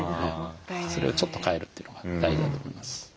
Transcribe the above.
それをちょっと変えるというのが大事だと思います。